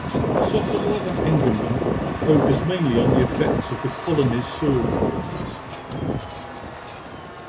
Sokoloff and Engerman focus mainly on the effects of the colonies' soil qualities.